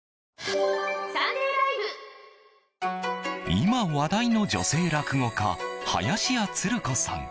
今、話題の女性落語家林家つる子さん。